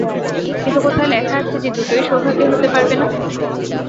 কিন্তু কোথায় লেখা আছে যে দুটোই সৌভাগ্যের হতে পারবে না?